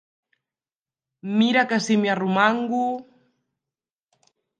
Mira que si m'hi arromango!